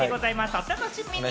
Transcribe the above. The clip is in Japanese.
お楽しみに！